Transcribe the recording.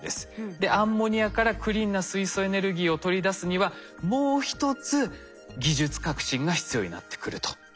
でアンモニアからクリーンな水素エネルギーを取り出すにはもう一つ技術革新が必要になってくると。